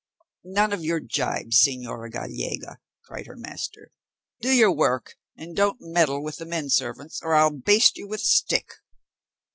"None of your gibes, señora Gallega," cried her master; "do your work, and don't meddle with the men servants, or I'll baste you with a stick."